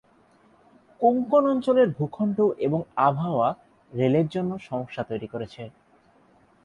কোঙ্কণ অঞ্চলের ভূখণ্ড এবং আবহাওয়া রেলের জন্য সমস্যা তৈরি করেছে।